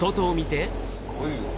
すごいよ。